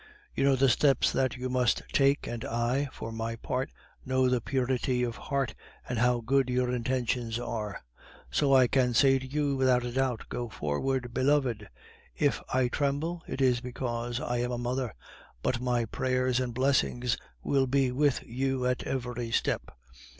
You know the steps that you must take, and I, for my part, know the purity of heart, and how good your intentions are; so I can say to you without a doubt, 'Go forward, beloved!' If I tremble, it is because I am a mother, but my prayers and blessings will be with you at every step.